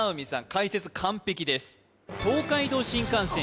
解説完璧です